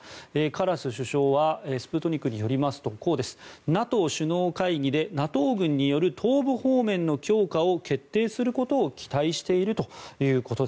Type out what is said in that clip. カラス首相はスプートニクによりますとＮＡＴＯ首脳会議でＮＡＴＯ軍による東部方面の強化を決定することを期待していると。